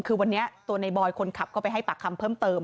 คือวันนี้ตัวในบอยคนขับก็ไปให้ปากคำเพิ่มเติม